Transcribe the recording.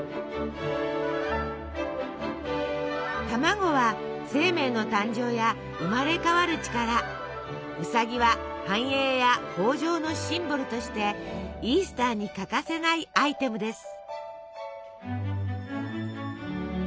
卵は生命の誕生や生まれ変わる力ウサギは繁栄や豊穣のシンボルとしてイースターに欠かせないアイテムです。